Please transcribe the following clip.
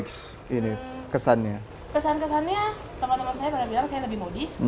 kesannya kesan kesannya teman teman saya pernah bilang saya lebih modis